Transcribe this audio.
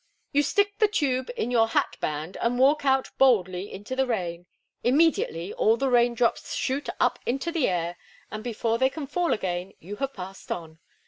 You stick the tube in your hat band and walk out boldly into the rain. Immediately all the rain drops shoot up into the air, and before they can fall again you have passed on!